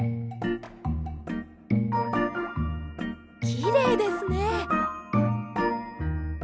きれいですね。